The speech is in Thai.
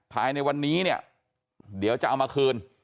ภายในวันนี้เนี่ยเดี๋ยวจะเอามาคืน